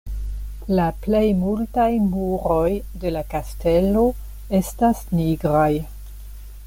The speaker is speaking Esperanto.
La plej multaj muroj de la kastelo estas nigraj.